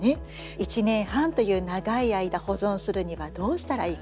１年半という長い間保存するにはどうしたらいいか？